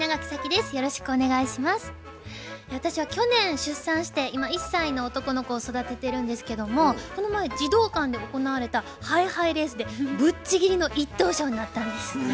私は去年出産して今１歳の男の子を育ててるんですけどもこの前児童館で行われたハイハイレースでぶっちぎりの１等賞になったんです。